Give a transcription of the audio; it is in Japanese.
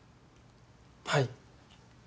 はい。